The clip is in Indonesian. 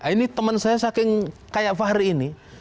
ini teman saya saking kayak fahri ini